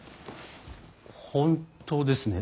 本当ですね